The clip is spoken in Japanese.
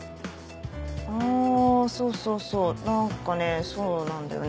あぁそうそう何かねそうなんだよね。